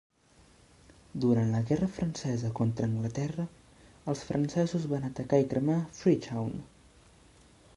Durant la guerra francesa contra Anglaterra, els francesos van atacar i cremar Freetown.